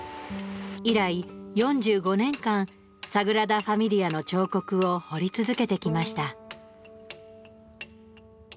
以来４５年間サグラダ・ファミリアの彫刻を彫り続けてきました。